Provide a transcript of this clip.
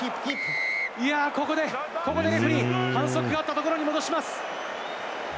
いや、ここで、ここでレフェリー、反則があったところに戻します。